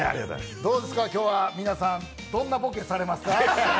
どうですか、今日は皆さん、どんなボケされますか？